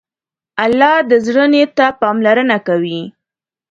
الله د زړه نیت ته پاملرنه کوي.